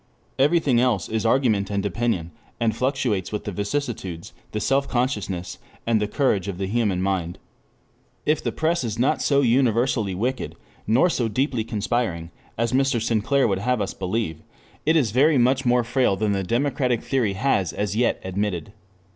Everything else is argument and opinion, and fluctuates with the vicissitudes, the self consciousness, and the courage of the human mind. If the press is not so universally wicked, nor so deeply conspiring, as Mr. Sinclair would have us believe, it is very much more frail than the democratic theory has as yet admitted.